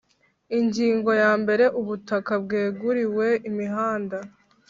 Ingingo ya mbere Ubutaka bweguriwe imihanda